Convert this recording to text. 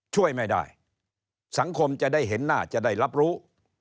ช่วยไม่ได้สังคมจะได้เห็นหน้าจะได้รับรู้